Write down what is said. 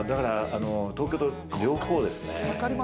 東京と両方ですね。